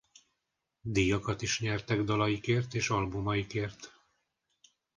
Díjakat is nyertek dalaikért és albumaikért.